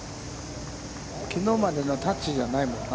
きのうまでのタッチじゃないもんな。